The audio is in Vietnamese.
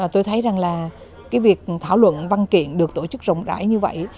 tôi thấy rằng là cái việc thảo luận văn kiện được tổ chức rộng rãi như vậy